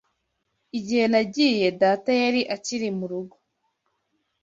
Igihe nagiye, data yari akiri mu rugo.